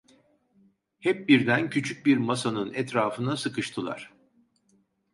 Hep birden küçük bir masanın etrafına sıkıştılar.